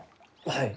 はい。